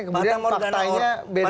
kemudian faktanya beda